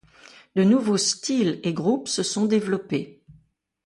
De nouveaux styles et groupes se sont développés.